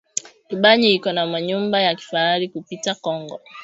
Dubayi iko na manyumba ya kifahari kupita kongo